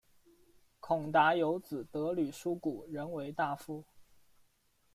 孔达有子得闾叔榖仍为大夫。